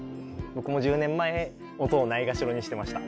僕も１０年前音をないがしろにしてました。